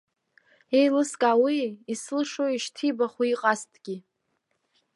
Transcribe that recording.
Иеилыскаауеи исылшои шьҭибахуа иҟазҭгьы!